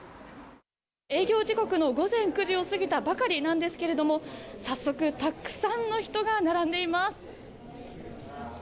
営業時刻の午前９時を過ぎたばかりなんですけれども、早速、たくさんの人が並んでいます。